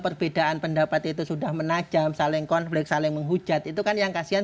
perbedaan pendapat itu sudah menajam saling konflik saling menghujat itu kan yang kasihan